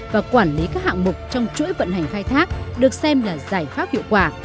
và quản lý các hạng mục trong chuỗi vận hành khai thác được xem là giải pháp hiệu quả